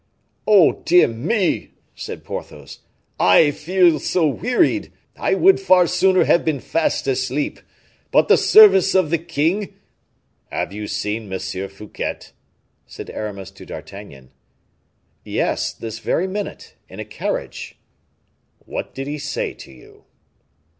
"Oh, dear me!" said Porthos, "I feel so wearied; I would far sooner have been fast asleep. But the service of the king...." "Have you seen M. Fouquet?" said Aramis to D'Artagnan. "Yes, this very minute, in a carriage." "What did he say to you?"